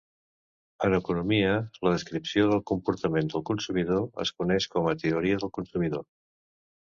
En economia la descripció del comportament del consumidor es coneix com a teoria del consumidor.